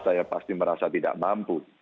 saya pasti merasa tidak mampu